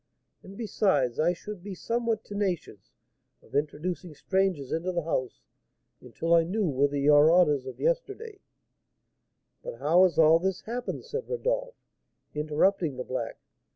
And, besides, I should be somewhat tenacious of introducing strangers into the house until I knew whether your orders of yesterday " "But how has all this happened?" said Rodolph, interrupting the black.